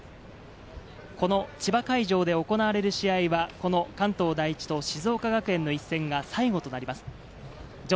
この千葉会場で行われる試合はこの関東第一と静岡学園の一戦が最後となります。